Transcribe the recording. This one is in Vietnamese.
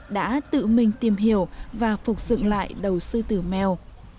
đã tự mình tìm hiểu và phục dựng lại đầu sư tử mèo